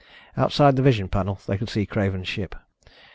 Outside the vision panel, they could see Craven's ship.